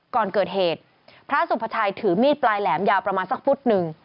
ก่อนเกิดเหตุพระสุภาชัยถือมีดปลายแหลมยาวประมาณสักฟุตหนึ่ง